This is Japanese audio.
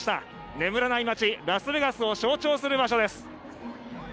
眠らない街ラスベガスを象徴する場所です。